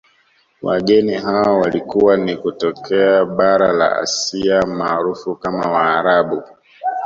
Wageni hao walikuwa ni kutokea bara la Asia maarufu kama waarabu